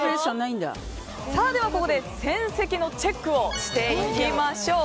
ここで戦績のチェックをしていきましょう。